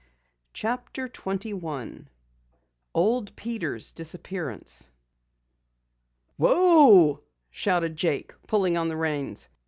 CHAPTER 21 OLD PETER'S DISAPPEARANCE "Whoa!" shouted Jake, pulling on the reins.